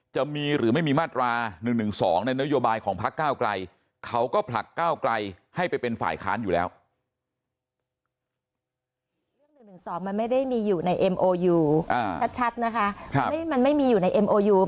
จะมีหรือไม่มีมาตรา๑๑๒ในนโยบายของภักร์ก้าวกลัย